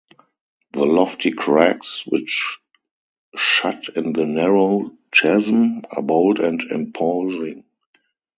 The lofty crags which shut in the narrow chasm are bold and imposing.